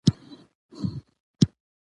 زه تفریح ته هم وخت ورکوم.